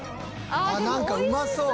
「あっなんかうまそう」